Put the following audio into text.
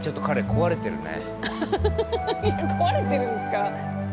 壊れてるんですか？